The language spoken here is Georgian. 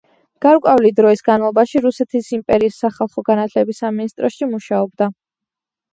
გარკვეული დროის განმავლობაში რუსეთის იმპერიის სახალხო განათლების სამინისტროში მუშაობდა.